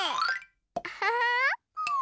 アハハー！